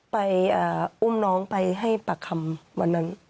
ไปอุ้มน้องไปให้ปากคำวันนั้น